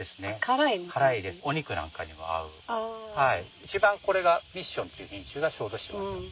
一番これがミッションっていう品種が小豆島でたくさん育ててる。